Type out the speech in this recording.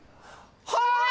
はい！